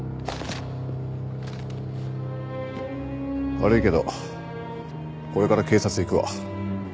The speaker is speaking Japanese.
悪いけどこれから警察行くわ。